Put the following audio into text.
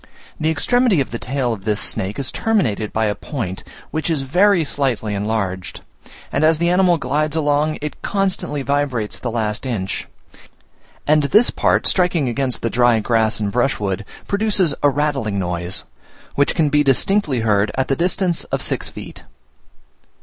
The extremity of the tail of this snake is terminated by a point, which is very slightly enlarged; and as the animal glides along, it constantly vibrates the last inch; and this part striking against the dry grass and brushwood, produces a rattling noise, which can be distinctly heard at the distance of six feet.